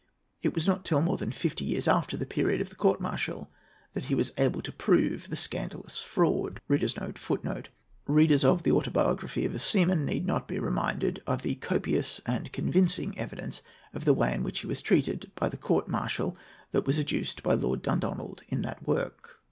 It was not till more than fifty years after the period of the court martial that he was able to prove the scandalous fraud.[A] [Footnote A: Readers of "The Autobiography of a Seaman" need not be reminded of the copious and convincing evidence of the way in which he was treated by this court martial that was adduced by Lord Dundonald in that work.